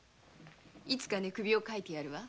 いつか寝首を掻いてやる。